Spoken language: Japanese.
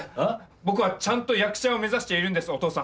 僕はちゃんと役者を目指しているんですお父さん。